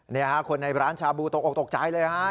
นี่ฮะคนในร้านชาบูตกออกตกใจเลยฮะ